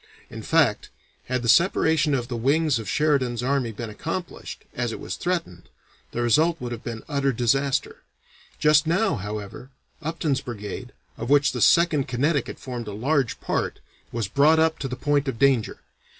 In fact, had the separation of the wings of Sheridan's army been accomplished, as it was threatened, the result would have been utter disaster; just now, however, Upton's brigade, of which the Second Connecticut formed a large part, was brought up to the point of danger.